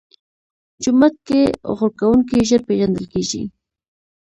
جومات کې غول کوونکی ژر پېژندل کېږي.